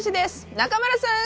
中丸さん！